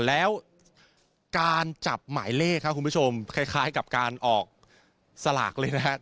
แล้วการจับหมายเลขครับคุณผู้ชมคล้ายกับการออกสลากเลยนะครับ